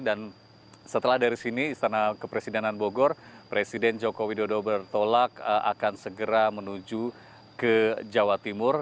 dan setelah dari sini istana kepresidenan bogor presiden joko widodo bertolak akan segera menuju ke jawa timur